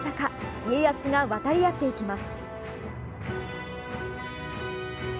家康が渡り合っていきます。